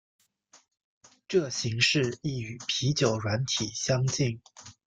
这形式亦与啤酒软体相近。